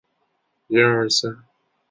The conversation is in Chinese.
祖纳因此把内政部告上法庭。